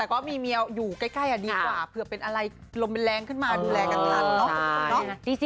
ผมว่าบางที